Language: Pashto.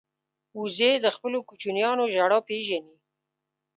وزې د خپلو کوچنیانو ژړا پېژني